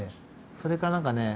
それから何かね